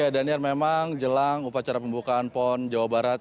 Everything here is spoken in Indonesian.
daniar memang jelang upacara pembukaan pon jawa barat